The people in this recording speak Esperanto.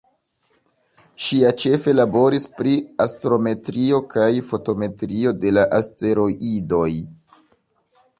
Ŝia ĉefe laboris pri astrometrio kaj fotometrio de la asteroidoj.